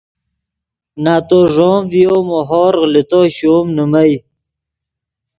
نتو ݱوم ڤیو مو ہورغ لے تو شوم نیمئے